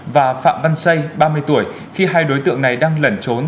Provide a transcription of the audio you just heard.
và phạm văn xây ba mươi tuổi khi hai đối tượng này đang lẩn trốn